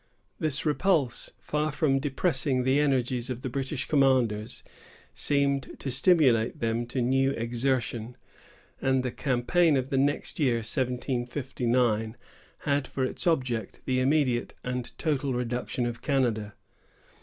This repulse, far from depressing the energies of the British commanders, seemed to stimulate them to new exertion; and the campaign of the next year, 1759, had for its object the immediate and total reduction of Canada.